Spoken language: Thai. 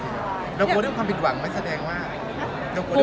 เรากลัวเรื่องความผิดหวังไม่แสดงมาก